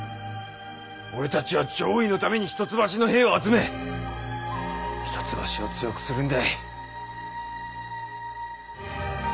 俺たちは攘夷のために一橋の兵を集め一橋を強くするんだい。